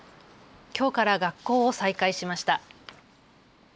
きょうから学校を再開しました。